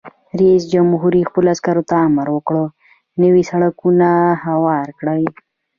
رئیس جمهور خپلو عسکرو ته امر وکړ؛ نوي سړکونه هوار کړئ!